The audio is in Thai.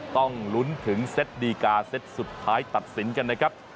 ต้องลุ้นถึงเซตดีกาเซตสุดท้ายตัดสินกันนะครับ